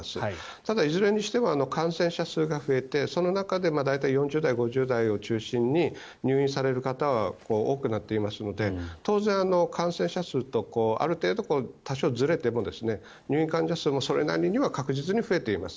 ただ、いずれにしても感染者数が増えてその中で４０代、５０代を中心に入院される方は多くなっていますので当然、感染者数とある程度、多少ずれても入院患者数もそれなりには確実に増えています。